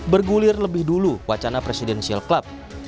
hampir lebih dulu wacana presidensial club